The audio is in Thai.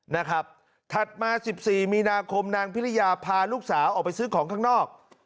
ถัดมา๑๔มีนาคมนางพิริยาพาลูกสาวออกไปซื้อของข้างนอก